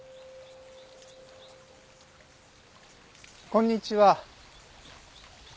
こんにちは。